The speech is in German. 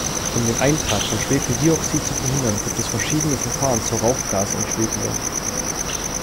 Um den Eintrag von Schwefeldioxid zu verhindern, gibt es verschiedene Verfahren zur Rauchgasentschwefelung.